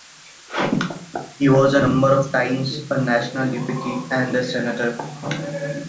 He was a number of times a national deputy and senator.